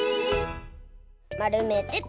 まるめてと！